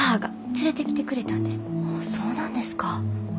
そうなんですか。